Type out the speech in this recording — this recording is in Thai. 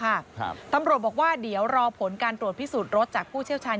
ครับตำรวจบอกว่าเดี๋ยวรอผลการตรวจพิสูจน์รถจากผู้เชี่ยวชาญ